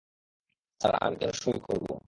Sir, আমি কেন সঁই করব?